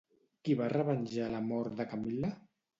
Qui va revenjar la mort de Camil·la?